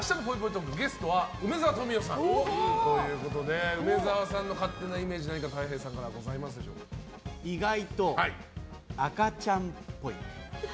トークゲストは梅沢富美男さんということで梅沢さんの勝手なイメージ何かたい平さんから意外と赤ちゃんっぽい。